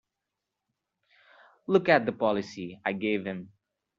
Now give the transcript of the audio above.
Look at the policy I gave him!